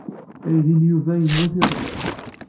Aydi n Yuba yemmut iḍelli.